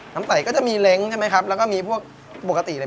ไต่ก็จะมีเล้งใช่ไหมครับแล้วก็มีพวกปกติเลย